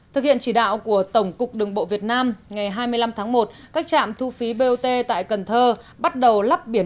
thực hiện chỉ đạo của tổng cục đường bộ việt nam ngày hai mươi năm tháng một các trạm thu phí bot tại cần thơ bắt đầu lắp biển